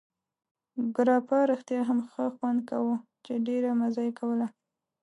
ګراپا رښتیا هم ښه خوند کاوه، چې ډېره مزه یې کوله.